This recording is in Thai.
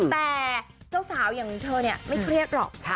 แต่เจ้าสาวเหรอเวลาเนี่ยไม่เครียดหรอก